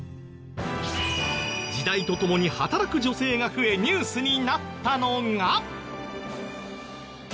時代とともに働く女性が増えニュースになったのが。